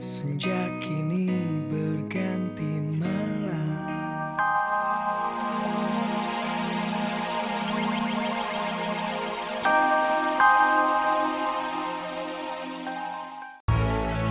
sejak kini berganti malam